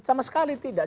sama sekali tidak